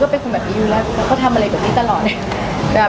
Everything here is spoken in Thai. จิคุณแมทยุได้ตัวเค้าทำอะไรแบบนี้ตลอด